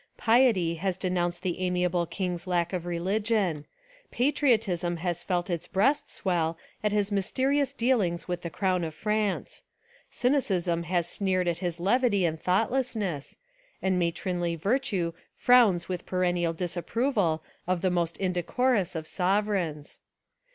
Piety has denounced the amiable king's lack of religion; patriotism has felt its breast swell at his mysterious dealings with the crown of France; cynicism has sneered at his levity and thoughtlessness, and matronly vir tue frowns with perennial disapproval of the most indecorous of sovereigns.